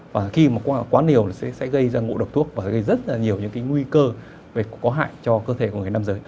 và khi mà quá liều sẽ gây ra ngộ độc thuốc và gây rất là nhiều những cái nguy cơ có hại cho cơ thể của người nam giới